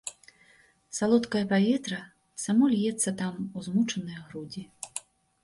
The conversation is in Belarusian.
Салодкае паветра само льецца там у змучаныя грудзі.